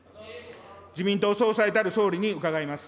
自民党総裁たる総理に伺います。